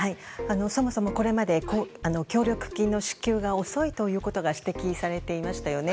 そもそもこれまで協力金の支給が遅いということが指摘されていましたよね。